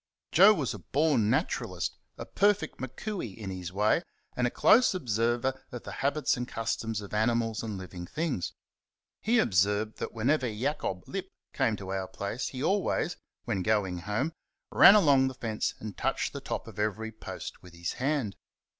Joe was a born naturalist a perfect McCooey in his way, and a close observer of the habits and customs of animals and living things. He observed that whenever Jacob Lipp came to our place he always, when going home, ran along the fence and touched the top of every post with his hand.